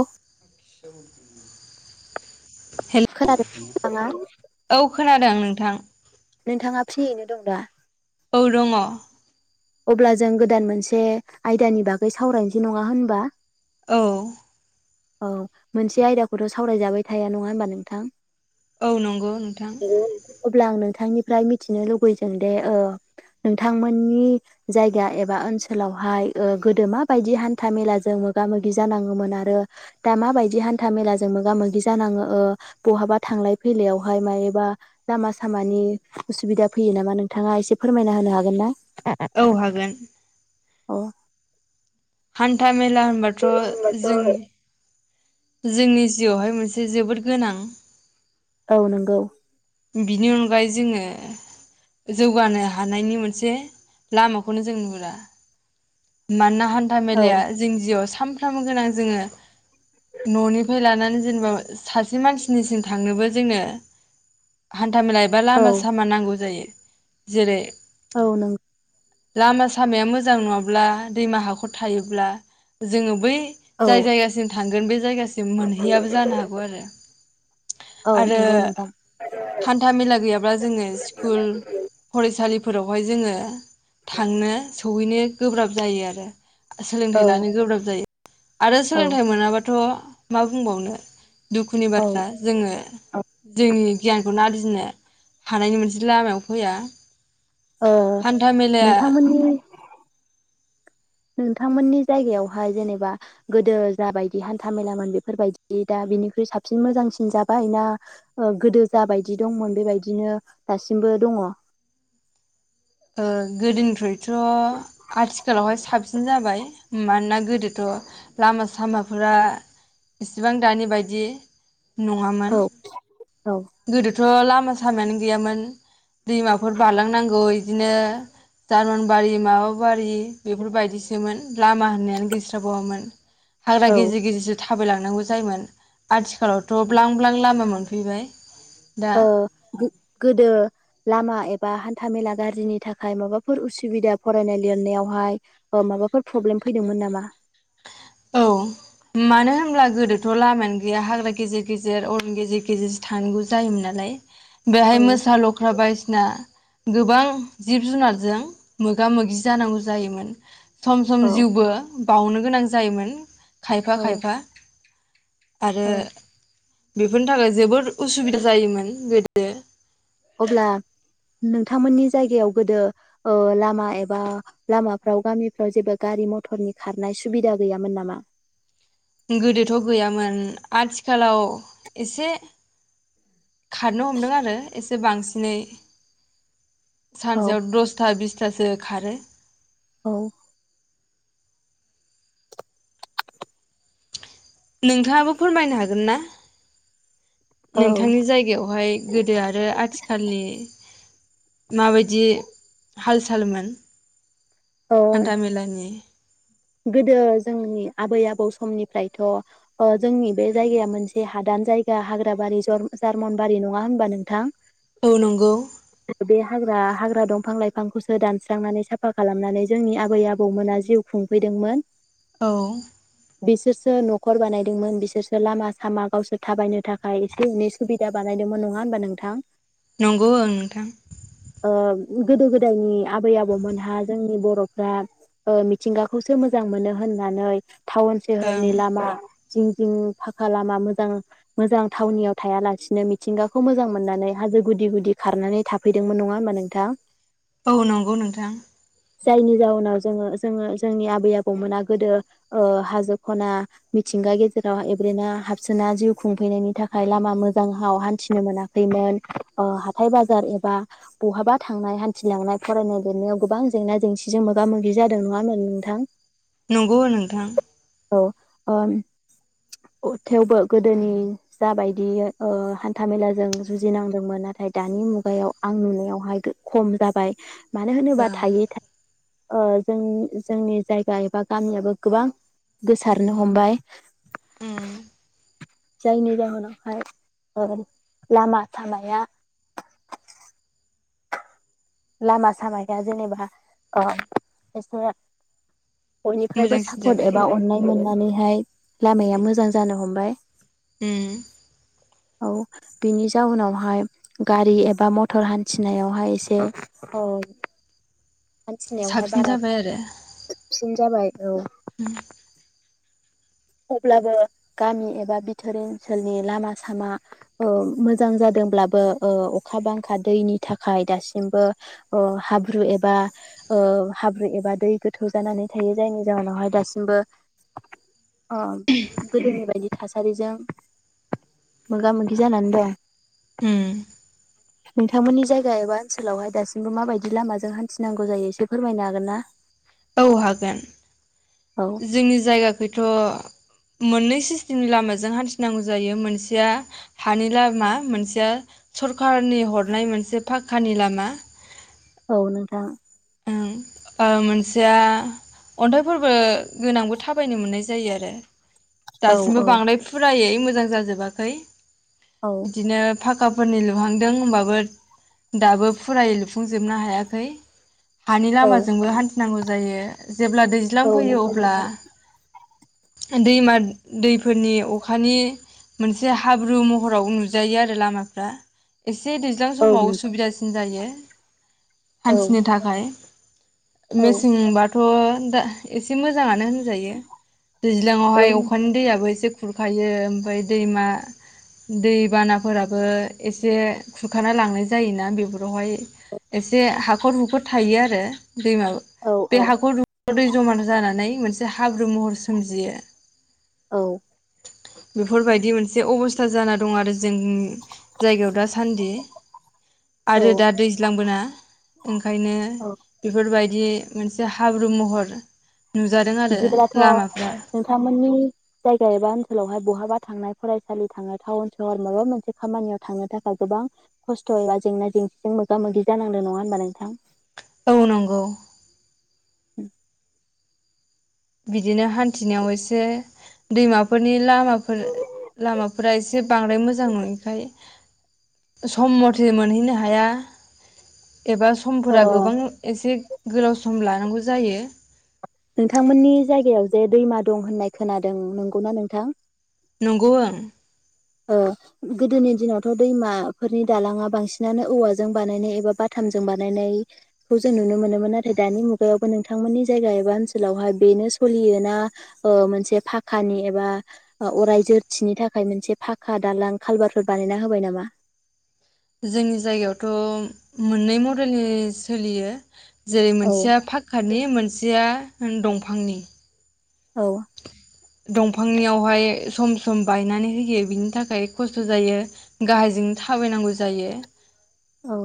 औ हेल खोनादों थाङा दों नोंथां। नोंथाङा फ्रियैनो दं दा? औ दङ। अब्ला जों गोदान मोनसे आयदानि बागै सावरायनोसै नङा होनबा? औ औ मोनसे आयदाखौथ' सावरायजाबाय थाया नङा होमबा नोंथां? औ नंगौ नोंथां [unintelligible] अब्ला आं नों थांनिफ्राय मिथिनो लुुबैदों दे ओ नोंथांमोननि जायगा एबा ओनसोलावहाय ओ गोदो माबायदि हान्था मेलाजों मोगा मोगि जानाङोमोन आरो दा माबायदि हान्था मेलाजों मोगा मोगि जानाङो ओ बहाबा थांलाय फैलायावहाय मायोबा लामा सामानि उसुबिदा फैयो नामा नोंथाङा एसे फोरमायना होनो हागोन ना? औ हागोन। औ हान्था मेला होनबाथ' होनबाथ' जोंनि जोंनि जिउआवहाय मोनसे जोबोद गोनां। औ नंगौ। बिनि अनगायै जोङो जौगानो हानायनि मोनसे लामाखौनो जों नुहरा। मानोना हान्था औ मेलाया जों जिउआव सा सामफ्रामबो गोनां जोङो न'निफ्राय लानानै जेनेबा सासे मानसिनिसिम थांनोबो जोङो हान था मेला एबा औ लामा सामा नांगौ जायो। जेरै औ नोंगौ लामा सामाया मोजां नङाब्ला दैमा हाखर थायोब्ला जोङो बै जाय औ जायगासिम थांगोन बे जायगासिम मोनहैयाबो जानो हागौ आरो। औ आरो नंगौ नोंथां। हान्था मेला गैयाब्ला जोङो स्कुल फरायसालि फोरावहाय जोङो थांनो सौहैनो गोब्राब जायो आरो। औ सोलोंथाय लानो गोब्राब जायो। आरो औ सोलोंथाय मोनाबाथ मा बुंबावनो दुखुनि औ बाथ्रा जोङो औ जोंनि बेखौनो आर्जिनो हानायनि मोनसे लामायाव फैया। औ हान्था मेलाया नोंथां मोन्नि नोंथांमोननि जायगायावहाय जेनेबा गोदो जाबायदि हान्थामेलामोन बेफोरबायदि दा बिनिख्रुइ साबसिन मोजांसिन जाबाय ना ओ गोदो जाबायदि दंमोन बेबायदिनो दासिमबो दङ? ओ गोदोनिफ्राय थ आथिखालावहाय साबसिन जाबाय मानोना गोदोथ लामा सामाफोरा इसिबां दानि बायदि नङामोन। औ औ। थ लामा सामायानो गैयामोन दैमाफोर बारलांनांगौ इदिनो जारमन बारि माबा बारि बेफोरबायदिसोमोन लामा होन्नायानो गैस्राबावामोन। हाग्रा गेजिर गेजिर था थाबायलांनांगौ जायोमोन आथि खालावथ ब्लां ब्लां लामा मोन फैबाय। दा ओ गोदो लामा एबा हान्थामेला गाज्रिनि थाखाय माबाफोर उसुबिदा फरायनाय लिरनायावहाय माबाफोर प्रब्लेम फैदोंमोन नामा? औ मानो होनब्ला गोदोथ लामायानो गैया हाग्रा गेजेर गेजेर अरन गेजेर गेजेरसो थानांगौ जायोमोन नालाय। बेहाय औ मोसा लख्रा बायदिसिना गोबां जिब जुनारजों मोगा मोगि जानांगौ जायोमोन। सम सम औ जिउबो बावनो गोनां जा जायोमोन खायफा औ खायफा। आरो औ बेफोरनि थाखाय जोबोद उसुबिदा जायोमोन गोदो अब्ला नोंथांमोन्नि जायगायाव गोदो ओ लामा एबा लामाफ्राव गामिफ्राव जेबो गारि मटरनि खारनाय सुबिदा गैयामोन नामा? गोदोथ गैयामोन आथिखालाव एसे खारनो हमदों आरो एसे बांसिनै। औ सानसेयाव दसथा बिस स्थासो खारो। औ। नोंथाङाबो फोरमायनो हागोन ना? औ नोंथांनि जायगायावहाय गोदो आरो आथिखालनि माबायदि हाल सालमोन? ओ हान्था मेलानि गोदो जोंनि आबै आबौ समनिफ्रायथ' अ जोंनि बे जायगाया मोनसे हादान जायगा हाग्राबारि जन जारमनबारि नङा होनबा नोंथां? औ नंगौ। बे हाग्रा हाग्रा दंफां लाइफांखौसो दानस्रांनानै साफा खालामनानै जोंनि आबै आबौमोना जिउ खुं फैदोंमोन। औ। बिसोरसो नखर बानायदोंमोन बिसोरसो लामा सामा गावसोर थाबायनो थाखाय एसे एनै सुबिदा बानायदोंमोन नङा होनबा नोंथां? नंगौ ओं नोंथां। ओ गोदो गोदायनि आबै आबौमोनहा जोंनि बर'फ्रा ओ मिथिंगा खौसो मोजां मोनो होननानै टाउन ओं सोहरनि लामा जिं जिं फाखा लामा मोजां मोजां थावनियाव थायालासिनो मिथिंगाखौ मोजां मोननानै हाजो गुदि गुदि खारनानै थाफैदोंमोन नङा होमा नोंथां? औ नोंगौ नोंथां। जायनि जाउनाव जोङो जोङो जोंनि आबै आबौमोना गोदो ओ हाजो खना मिथिंगा गेजेराव एब्रेना हाबसोना जिउ खुंफैनायनि थाखाय लामा मोजांहाव हान्थिनो मोनाखैमोन ओ हाथाय बाजार एबा बहाबा थांनाय हान्थिलांनाय फरायनाय लिरनायाव गोबां जेंना जेंसिजों मोगा मोगि जादों नङा होनबा थां? नंगौ नोंथां। औ ओ थेवबो गोदोनि जाबायदि ओ हान्थामेलाजों जुजिनांदोंमोन नाथाय दानि मुगायाव आं नुनायावहाय खम जाबाय। मानो होनोबा ओं थायो था ओ जोंनि जोंनि जायगा एबा गामियाबो गोबां गोसारनो हमबाय उम जायनि जाहोनावहाय ओ लामा सामाया लामा सामाया जेनेबा ओ एसे बयनिफ्रायबो मोजांसिन सापर्ट जाबाय एबा अन्नाय मोननानै हाय लामाया मोजां जानो हमबाय। ओम। औ बिनि जाउनावहाय गारि एबा मटर हान्थिनायावहाय एसे औ। साबसिन जाबाय आरो। सिन जाबाय औ। उम। अब्लाबो गामि एबा बिथोर ओनसोलनि लामा सामा ओ मोजां जादोंब्लाबो ओ अखा बांखा दैनि थाखाय दासिमबो ओ हाब्रु एबा ओ हाब्रु एबा दै गोथौ जानानै थायो जायनि जाहोनावहाय दासिमबो ओ गोदोनि बायदि थासारिजों मोगा मोगि जानानै दं उम नोंथांमोननि जायगा एबा ओनसोलावहाय दासिमबो माबायदि लामाजों हान्थिनांगौ जायो एसे फोरमायनो हागोन ना? औ हागोन औ जोंनि जायगाखैथ' मोननै सिस्टेमनि लामाजों हान्थिनांगौ जायो मोनसेया हानि लामा मोनसेया सरखारनि हरनाय मोनसे पाखकानि लामा। औ नोथां। ओं मोनसेया अन्थाइफोरबो गोनांबो थाबायनो मोननाय जायो आरो। औ दासिमबो औ बांद्राय फुरायै मोजां जाजोबाखै। औ बिदिनो फाखाफोरनि लुहांदों होमबाबो दाबो फुरायै लुफुंजोबनो हायाखै हानि औ लामाजोंबो हान्थिनांगौ जायो जेब्ला दैज्लां औ फैयो नंगौ अब्ला नोंथां दैमा दैफोरनि अखानि मोनसे हाब्रु महराव नुजायो आरो लामाफ्रा एसे जे दैज्लां औ समाव नों उसुबिदासिन दायो औ हान्थिनो थाख [unintelligible] औ मिसिं बाद थ दा एसे मोजां मोजांआनो होनजायो औ दैज्लाआवहाय औ अखानि दैआबो एसे खुरखायो ओमफ्राय दैमा दैबानाफोराबो एसे खुरखाना लांनाय जायोना बेफोरावहाय एसे हाखर हुखर थायो आरो दै माबा बे औ हाखौ दुबाव दै जमा जानानै मोनसे एसे हाब्रु महर सोमजियो औ बेफोरबायदि मोनसे अबस्था जाना दं आरो जो जों जायगायाव दासान्दि औ आरो दा दैज्लांबोना ओं ओंखायनो बेफोरबाय दि मोनसे हाब्रु महर नुजादों आरो बिदिब्लाथ लामाफ्रा नोंथांमोननि जायगा एबा ओनसोलावहाय बहाबा थांनाय फरायसालि थांनाय टाउन सहराव माबा मोनसे खामानियाव थांनो थाखाय गोबां खस्थ एबा जेंना जेंसिजों मोगा मोगि जानांदों नङा होनबा नोंथां। औ नंगौ [inaudible] बिदिनो हान्थिनायाव एसे दैमाफोरनि लामाफोर लामाफोरा एसे बांद्राय मोजां नङिखाय सम मथे मोनहैनो हाया एबा अ समफोरा गोबां एसे गोलाव सम लानांगौ जायो। नोंथांमोननि जायगायाव जे दैमा दं होननाय खोनादों नंगौना नोंथां नंगौ ओं ओ गोदोनि दिनावथ दैमाफोरनि दालाङा बांसिनानो औवाजों बानायनाय एबा बाथामजों बानायनायखौ जों नुनो मोनोमोन नाथाय दानि मुगायावबो नोंथांमोननि जायगा एबा ओनसोलावहाय बेनो सोलियोना ओ मोनसे फाखानि एबा अराय जोरथिनि थाखाय मोनसे फाखा दालां कालबारफोर बानायना होबाय नामा जोंनि जायगायावथ मोननै मदेलनि सोलियो जेरै औ मोनसेया फाखानि मोनसेया ओम दंफांनि औ दंफांनियावहाय सम सम बायनानै होयो बिनि थाखाय खस्थ जायो गाहायजोंनो थाबायनांगौ जायो। औ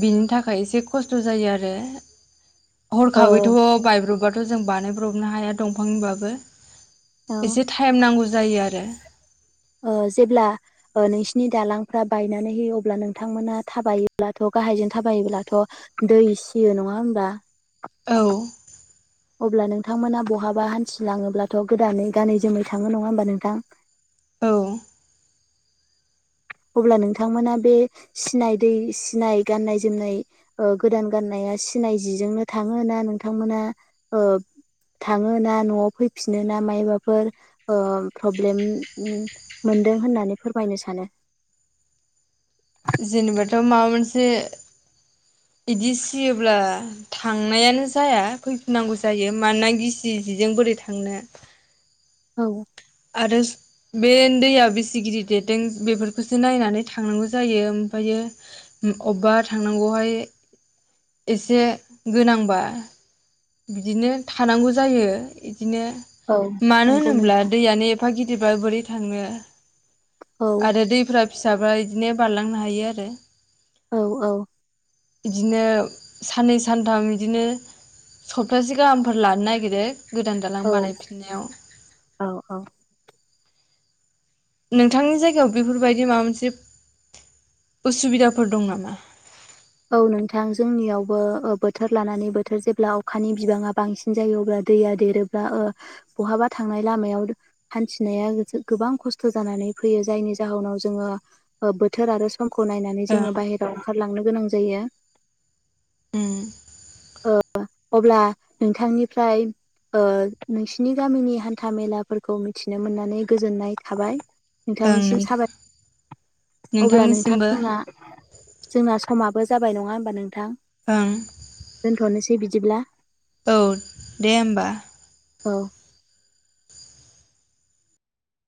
बिनि थाखाय एसे खस्थ जायो आरो। हरखाबैथ' ओ बायब्रबबाथ' थ' जों बानायब्रबनो हाया दंफांनिबाबो। औ एसे थाइम नांगौ जायो आरो। ओ जेब्ला ओ नोंसिनि दालांफ्रा बायनानै होयो अब्ला नोंथांमोना थाबायोब्लाथ' गाहायजों थाबायोब्लाथ' दै सियो नङा होमबा? औ अब्ला नोंथांमोना बहाबा हान्थिलाङोब्लाथ' गोदानै गानै जोमै थाङो नङा होमबा नोंथां? औ अब्ला नोंथांमोना बे सिनाय दै सिनाय गाननाय जोमनाय ओ गोदान गाननाया सिनाय जिजोंनो थाङो ना नोंथांमोना ओ थाङो ना न'आव फैफिनो ना मायबाफोर ओ फ्रब्लेम उम मोनदों होननानै फोरमायनो सानो? जेनेबाथ' माबा मोनसे इदि सियोब्ला थांनायानो जाया फैफिनांगौ जायो मानोना गिसि जिजों बोरै थांनो। औ आरो बेनि दैया बेसि गिदिर देरदों बेफोरखौसो नायनानै थांनांगौ जायो ओमफायो उम अबबा थांनांगौवाव हाय एसे गोनांबा बिदिनो थानांगौ जायो इद बिदिनो औ मानो नंगौ होनोब्ला नोंथां दैयानो एफा गिदिरबा बोरै थांनो औ आरो दैफ्रा फिसाबा इदिनो बारलांनो हायो आरो। औ औ बिदिनो साननै सानथाम बिदिनो सप्तासे गाहामफोर लानो नागिरो। गोदान दालां औ बानाय फिननायाव। औ औ नोंथांनि जायगायाव बेफोरबायदि माबा मोनसे उसुबिदाफोर दं नामा? औ नोंथां जोंनियावबो ओ बोथोर लानानै बोथोर जेब्ला अखानि बिबाङा बांसिन जायो अब्ला दैया देरोब्ला ओ बहाबा थांनाय लामायाव हान्थिनाया जो गोबां खस्थ जानानै फैयो जायनि जाहोनाव जोङो ओ बोथोर आरो समखौ नायनानै ओं जोंङो बायहेराव ओंखार लांनो गोनां जायो ओं ओ अब्ला नोंथांनिफ्राय ओ नोंसिनि गामिनि हान्था मेलाफोरखौ मिथिनो मोननानै गोजोननाय थाबाय। ओं नोंथांनिसिम नोंथां साबाय अब्ला नोंथां नोंथांनिसिमबो जोंना जोंना समा बो जाबाय नङा होमबा नोंथां? ओं दे बिदिब्ला। औ दे होमबा। औ